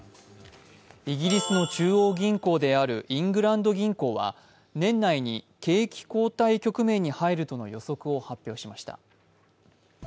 イギリスの中央銀行であるイングランド銀行は、年内に景気後退局面に入るとの予測を発表しました。